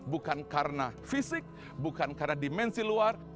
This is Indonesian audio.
bukan karena fisik bukan karena dimensi luar